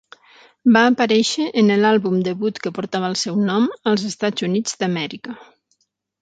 Va aparèixer en el àlbum debut que portava el seu nom als Estats Units d'Amèrica.